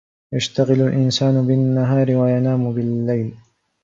يَشْتَغِلُ الْإِنْسانُ بِالنَّهَارِ وَيَنَامُ بِاللَّيْلِ.